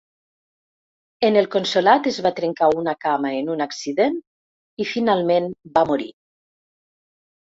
En el consolat es va trencar una cama en un accident, i finalment va morir.